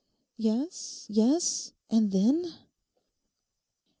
'Yes, yes; and then?